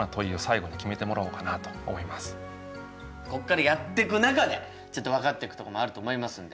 こっからやってく中でちょっと分かってくところもあると思いますんで。